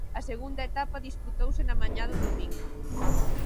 A segunda etapa disputouse na mañá do domingo.